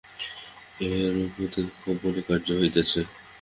এইরূপে হৃদয়ের প্রত্যেক কম্পনেই কার্য হইতেছে।